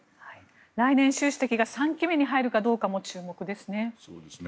来年、習主席が３期目に入るかどうかも注目ですね。